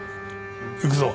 行くぞ。